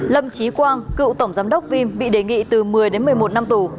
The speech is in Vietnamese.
lâm trí quang cựu tổng giám đốc vim bị đề nghị từ một mươi đến một mươi một năm tù